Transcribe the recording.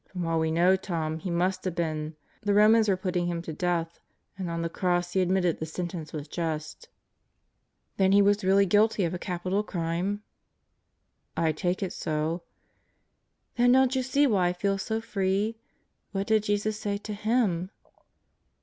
"From all we know, Tom, he must have been. The Romans were putting him to death; and on the cross he admitted the sentence was just." "Then he was really guilty of a capital crime?" "I take it so." "Then don't you see why I feel so free? What did Jesus say to him?"